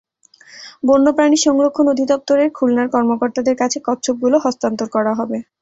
বন্য প্রাণী সংরক্ষণ অধিদপ্তরের খুলনার কর্মকর্তাদের কাছে কচ্ছপগুলো হস্তান্তর করা হবে।